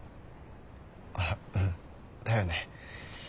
あっうんだよね。